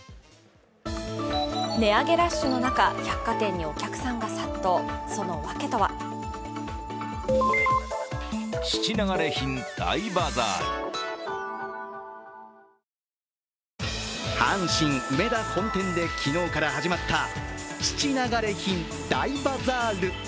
値上げラッシュの中百貨店にお客さんが殺到、その訳とは阪神梅田本店で昨日から始まった質流れ品大バザール。